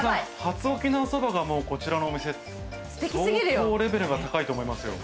初沖縄そばがこちらのお店相当レベルが高いと思いますよ。